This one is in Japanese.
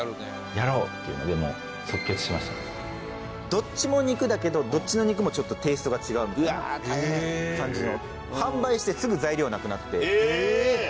どっちも肉だけどどっちの肉もちょっとテイストが違うみたいな感じの。